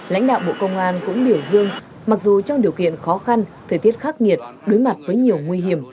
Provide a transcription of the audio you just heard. lãnh đạo bộ công an cũng biểu dương mặc dù trong điều kiện khó khăn thời tiết khắc nghiệt đối mặt với nhiều nguy hiểm